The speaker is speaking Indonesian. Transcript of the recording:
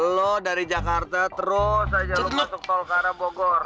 lo dari jakarta terus lo masuk tol ke arah bogor